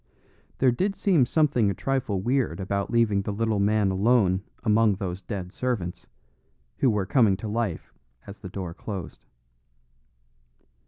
There did seem something a trifle weird about leaving the little man alone among those dead servants, who were coming to life as the door closed.